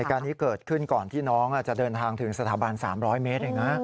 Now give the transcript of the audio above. การนี้เกิดขึ้นก่อนที่น้องจะเดินทางถึงสถาบัน๓๐๐เมตรเองนะ